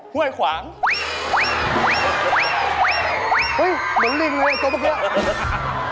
ห้วยขวางเห้ยเหมือนลิงเลยเกิดมาเกือบ